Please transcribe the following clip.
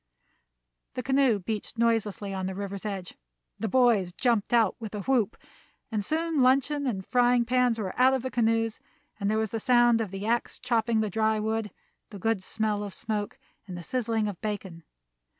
The canoe beached noiselessly on the river's edge, the boys jumped out with a whoop, and soon luncheon and frying pans were out of the canoes, and there was the sound of the axe chopping the dry wood, the good smell of smoke, and the sizzling of bacon.